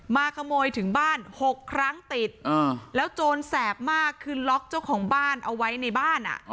มาขโมยถึงบ้าน๖ครั้งติดแล้วโจรแสบมากคือล็อกเจ้าของบ้านเอาไว้ในบ้าน